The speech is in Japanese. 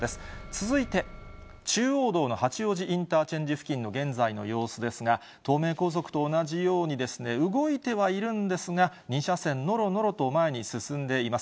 続いて、中央道の八王子インターチェンジ付近の現在の様子ですが、東名高速と同じように、動いてはいるんですが、２車線、のろのろと前に進んでいます。